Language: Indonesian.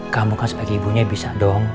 kamu kan sebagai ibunya bisa dong